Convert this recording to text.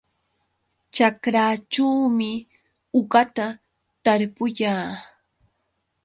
Ćhakraćhuumi uqata tarpuyaa.